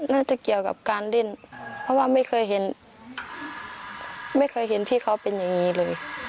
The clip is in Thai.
น่าจะเกี่ยวกับการเล่นเพราะว่าไม่เคยเห็นไม่เคยเห็นพี่เขาเป็นอย่างนี้เลย